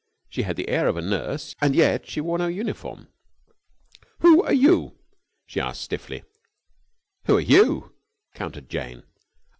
She had the air of a nurse, and yet she wore no uniform. "Who are you?" she asked stiffly. "Who are you?" countered Jane.